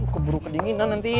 keburu kedinginan nanti